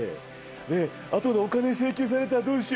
ねぇ後でお金請求されたらどうしよう。